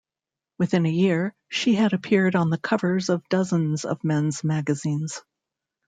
Within a year, she had appeared on the covers of dozens of men's magazines.